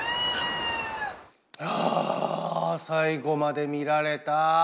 ああ最後まで見られた。